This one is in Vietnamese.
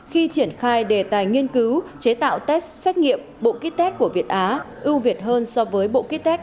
hai đề tài nghiên cứu chế tạo test xét nghiệm bộ ký test của việt á ưu việt hơn so với bộ ký test